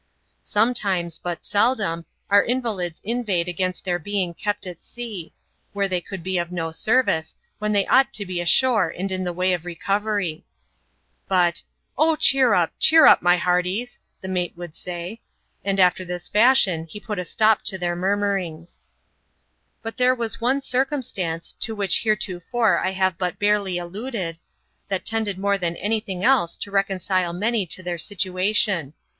Sometimes, but seldom, our invalids inveighed against their being kept at sea, where they could be of no service, when they ought to be ashore and in the way of recovery. But— " Oh ! cheer up — cheer up, my hearties 1 — the mate would say And after this fashion he put a stop to their murmurings. But there was one circumstance, to which heretofore I have but barely alluded, that tended more than any thing else to reconcile many to their situation.